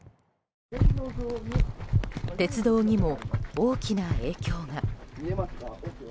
鉄道にも大きな影響が。